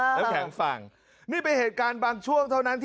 น้ำแข็งฟังนี่เป็นเหตุการณ์บางช่วงเท่านั้นที่